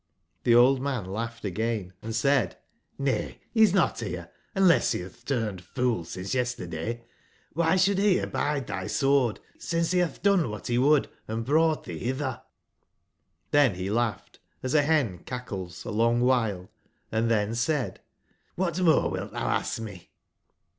^be old man lau gbed again , and said :'* JSTay, be is not bere, unless be batb turned f oolsinceyesterday: wby sbould beabide tby sword, since be batb done wbat be would and brought tbee bitber?"j^trben be laugbed, as a ben cachles,a long wbile, & tben said: '*^bat more wilt tbou ask me?"